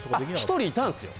１人いたんすよ